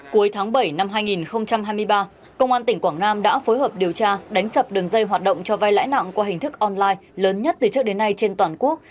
cuối tháng bảy năm hai nghìn hai mươi ba công an tỉnh quảng nam đã phối hợp điều tra đánh sập đường dây hoạt động cho vai lãi nặng qua hình thức online lớn nhất từ trước đến nay trên toàn quốc